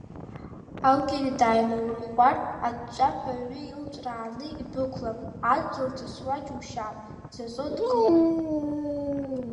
Алгери дааимаурӷәӷәар, аҵәҵәаҳәа аҩы илҵәрааны идәықәлап, адгьыл ҵысуа џьушьап, дзазо дгылоуп.